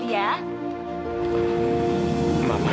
terima kasih banyak